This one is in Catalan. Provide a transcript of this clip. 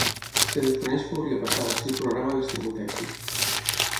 Es desconeix què hauria passat si el programa hagués tingut èxit.